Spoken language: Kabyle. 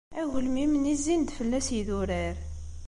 Agelmim-nni zzin-d fell-as yidurar.